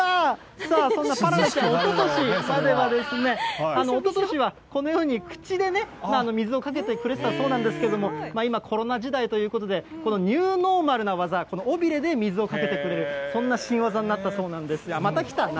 さあ、そんなパララちゃん、おととしまでは、おととしはこのように口でね、水をかけてくれてたそうなんですけれども、今、コロナ時代ということで、このニューノーマルな技、この尾びれで水をかけてくれる、そんな新技になったそうなんですが、また来たな。